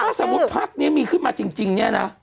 ถ้าสมมุติพักนี้มีขึ้นมาจริงเนี่ยนะ